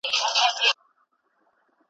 اوښکي مي د عمر پر ګرېوان دانه دانه راځي .